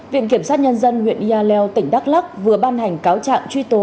viện kiểm sát nhân dân huyện yaleo tỉnh đắk lắc vừa ban hành cáo trạng truy tố